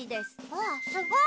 わっすごい。